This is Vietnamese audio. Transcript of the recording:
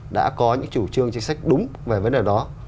đã có những chủ trương chính sách đúng về vấn đề đó